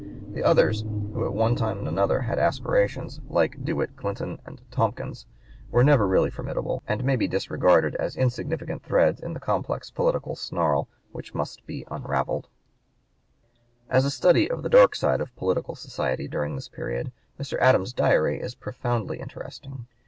The others, who at one time and another had aspirations, like De Witt Clinton and Tompkins, were never really formidable, and may be disregarded as insignificant threads in the complex political snarl which must be unravelled. [Illustration: Stratford Canning] As a study of the dark side of political society during this (p. 150) period Mr. Adams's Diary is profoundly interesting.